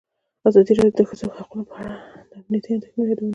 ازادي راډیو د د ښځو حقونه په اړه د امنیتي اندېښنو یادونه کړې.